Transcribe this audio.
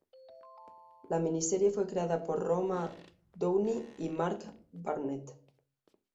La miniserie fue creada por Roma Downey y Mark Burnett.